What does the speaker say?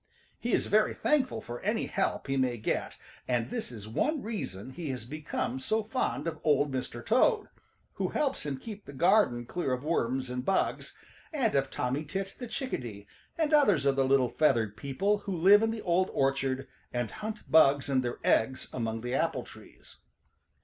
He is very thankful for any help he may get, and this is one reason he has become so fond of Old Mr. Toad, who helps him keep the garden clear of worms and bugs, and of Tommy Tit the Chickadee and others of the little feathered people who live in the Old Orchard and hunt bugs and their eggs among the apple trees.